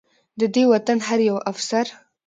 د دې وطن هر يو افسر